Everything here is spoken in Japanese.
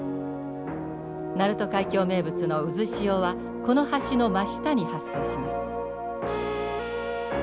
鳴門海峡名物の渦潮はこの橋の真下に発生します。